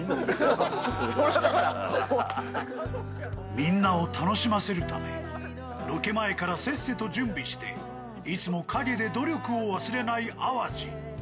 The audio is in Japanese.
みんなを楽しませるため、ロケ前からせっせと準備していつも陰で努力を忘れない淡路。